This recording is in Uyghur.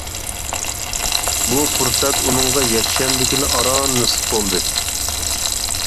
بۇ پۇرسەت ئۇنىڭغا يەكشەنبە كۈنى ئاران نېسىپ بولدى.